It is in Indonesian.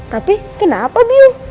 tapi kenapa biung